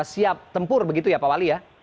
siap tempur begitu ya pak wali ya